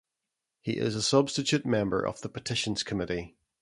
He is a substitute member of the Petitions Committee.